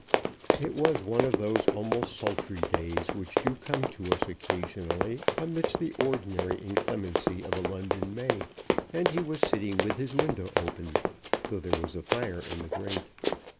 It was one of those almost sultry days which do come to us occasionally amidst the ordinary inclemency of a London May, and he was sitting with his window open, though there was a fire in the grate.